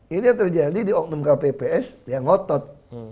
ini yang terjadi di oknum kpps yang ngotot